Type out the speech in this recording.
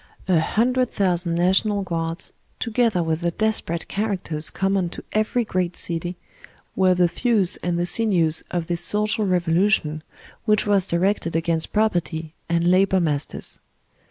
A hundred thousand National Guards, together with the desperate characters common to every great city, were the thews and the sinews of this social revolution, which was directed against property and labour masters.